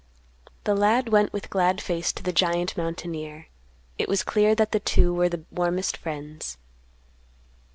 The lad went with glad face to the giant mountaineer. It was clear that the two were the warmest friends.